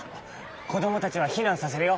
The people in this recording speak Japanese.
こどもたちはひなんさせるよ！